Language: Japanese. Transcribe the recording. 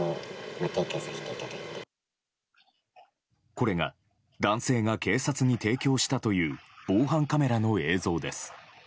これが男性が警察に提供したという防犯カメラの映像です。